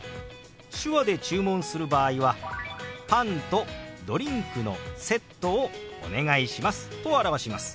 手話で注文する場合は「パンとドリンクのセットをお願いします」と表します。